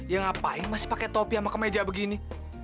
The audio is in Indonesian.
ya ngapain masih pakai topi sama kemeja begini